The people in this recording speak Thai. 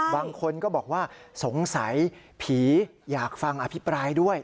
บางคนก็บอกว่าสงสัยผีอยากฟังอภิปรายด้วย